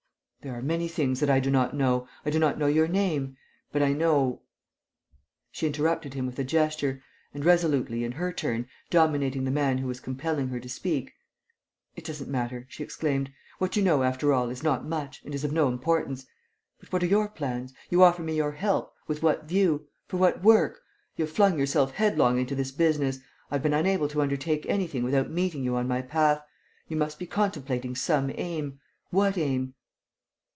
"There are many things that I do not know. I do not know your name. But I know...." She interrupted him with a gesture; and, resolutely, in her turn, dominating the man who was compelling her to speak: "It doesn't matter," she exclaimed. "What you know, after all, is not much and is of no importance. But what are your plans? You offer me your help: with what view? For what work? You have flung yourself headlong into this business; I have been unable to undertake anything without meeting you on my path: you must be contemplating some aim.... What aim?"